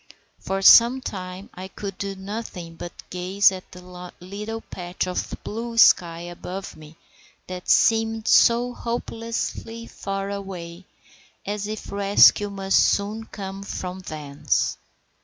For some time I could do nothing but gaze at the little patch of blue sky above me that seemed so hopelessly far away, as if rescue must soon come from thence.